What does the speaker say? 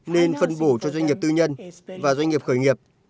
nên phân bổ cho doanh nghiệp tư nhân và doanh nghiệp khởi nghiệp